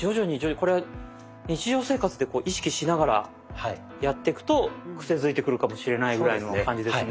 これ日常生活で意識しながらやってくとクセづいてくるかもしれないぐらいの感じですね。